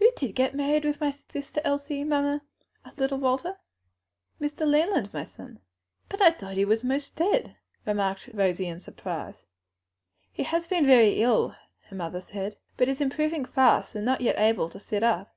"Who did get married with my sister Elsie, mamma?" asked little Walter. "Mr. Leland, my son." "But I thought he was most dead," remarked Rosie in surprise. "He has been very ill," her mother said, "but is improving fast, though not yet able to sit up."